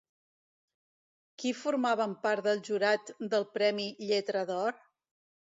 Qui formaven part del jurat del premi Lletra d'Or?